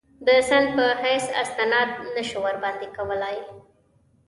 د سند په حیث استناد نه شو ورباندې کولای.